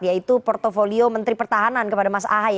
yaitu portfolio menteri pertahanan kepada mas ahy